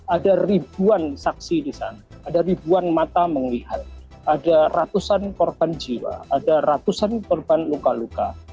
ada ribuan saksi di sana ada ribuan mata melihat ada ratusan korban jiwa ada ratusan korban luka luka